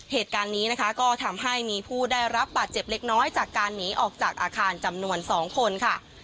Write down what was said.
เหตุการณ์นี้นะคะก็ทำให้มีผู้ได้รับบาดเจ็บเล็กน้อยจากการหนีออกจากอาคารจำนวน๒คนค่ะ